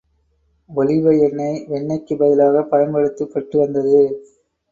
ஒலிவ எண்ணெய் வெண்ணெய்க்குப் பதிலாகப் பயன்படுத்தப்பட்டு வந்தது.